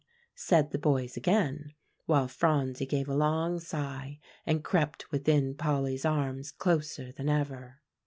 said the boys again; while Phronsie gave a long sigh, and crept within Polly's arms closer than ever.